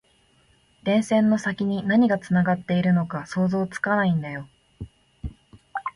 電線の先に何がつながっているのか想像つかないんだよ